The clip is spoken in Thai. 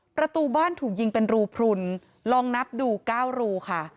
ประตูบ้านถูกยิงเป็นรูพลุนลองนับดู๙รูค่ะ